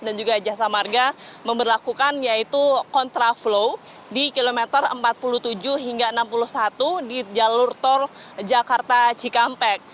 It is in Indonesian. dan juga jasa marga memberlakukan yaitu contra flow di kilometer empat puluh tujuh hingga enam puluh satu di jalur tol jakarta cikampek